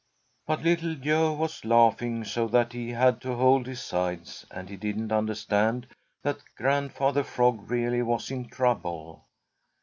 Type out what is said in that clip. _] But Little Joe was laughing so that he had to hold his sides, and he didn't understand that Grandfather Frog really was in trouble.